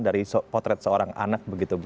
dari potret seorang anak begitu